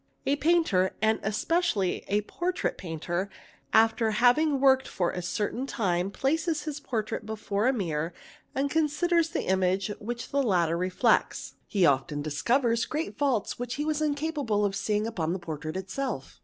A painter, and especially a portrait painter, after having worked for a certain time, places his portrait before a mirror and con siders the image which the latter reflects; he often discovers great faults which he was incapable of seeing upon the portrait itself.